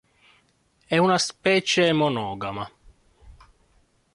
È una specie monogama.